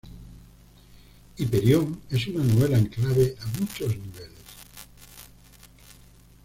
Hiperión es una novela en clave a muchos niveles.